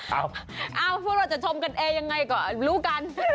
เอาพวกเราจะชมกันเองยังไงก็รู้กัน